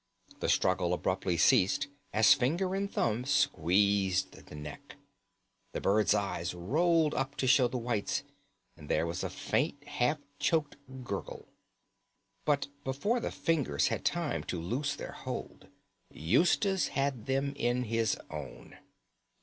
The struggle abruptly ceased as finger and thumb squeezed the neck; the bird's eyes rolled up to show the whites, and there was a faint, half choked gurgle. But before the fingers had time to loose their hold, Eustace had them in his own.